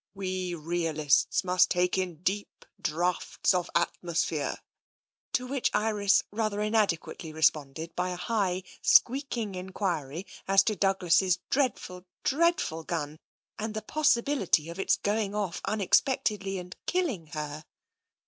We realists must take in deep draughts of atmosphere." To which Iris rather inadequately responded by a high, squeaking enquiry as to Douglas's dreadful, dreadful gun and the possibility of its going oflF un expectedly and killing her.